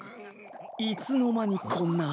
いつの間にこんな穴。